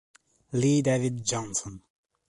Lee David Johnson